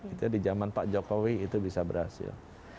itu di zaman pak jokowi itu bisa berhasil